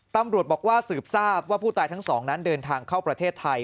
ตำรวจบอกว่าสืบทราบว่าผู้ตายทั้งสองนั้นเดินทางเข้าประเทศไทย